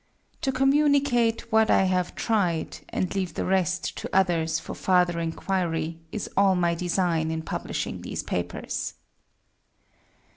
To communicate what I have tried, and leave the rest to others for farther Enquiry, is all my Design in publishing these Papers.